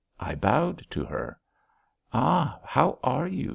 I bowed to her. "Ah! How are you?"